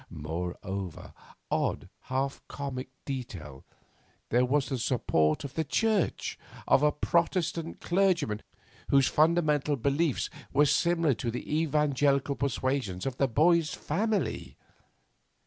Moreover, odd, half comic detail there was the support of the Church, of a protestant clergyman whose fundamental beliefs were similar to the evangelical persuasions of the boy's family.